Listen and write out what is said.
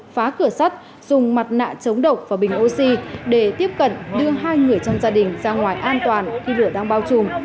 phá cửa sắt dùng mặt nạ chống độc và bình oxy để tiếp cận đưa hai người trong gia đình ra ngoài an toàn khi lửa đang bao trùm